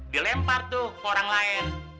dilempar ke orang lain